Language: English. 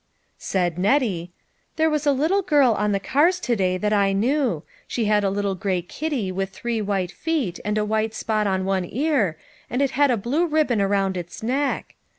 Said Nettie, " There was a little girl on the cars to day that I knew. She had a little gray kitty with three white feet, and a white spot on one ear, and it had a blue ribbon around its neck.